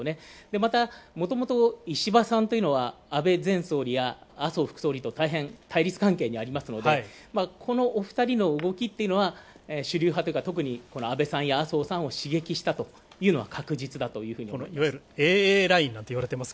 また、もともと石破さんというのは安倍前総理大臣や麻生副総理と大変対立関係にありますので、このお二人の動きっていうのは主流派というか、特に安倍さんや麻生さんを刺激したというのは確実だというふうに思います。